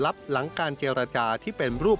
การพบกันในวันนี้ปิดท้ายด้วยการรับประทานอาหารค่ำร่วมกัน